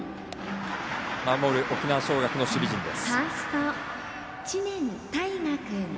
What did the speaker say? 守る沖縄尚学の守備陣です。